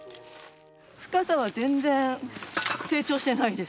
深さは全然成長してないです。